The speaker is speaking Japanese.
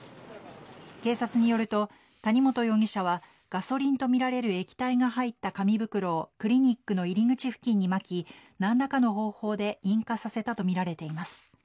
警察によると谷本容疑者はガソリンとみられる液体が入った紙袋をクリニックの入り口付近にまき何らかの方法で引火させたとみられています。